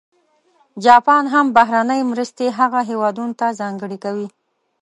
جاپان هم بهرنۍ مرستې هغه هېوادونه ته ځانګړې کوي.